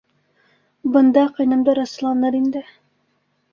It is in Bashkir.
Бында ҡайнымдар асыуланыр инде.